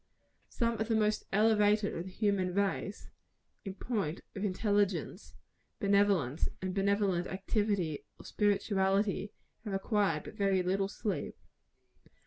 Some of the most elevated of the human race, in point of intelligence, benevolence, and benevolent activity or spirituality have required but very little sleep.